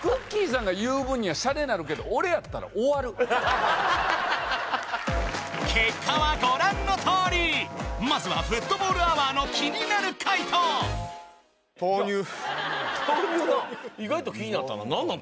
さんが言う分にはシャレになるけど俺やったら終わる結果はご覧のとおりまずはフットボールアワーの気になる回答豆乳な意外と気になったな何なの？